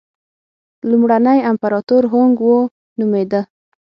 لومړنی امپراتور هونګ وو نومېده.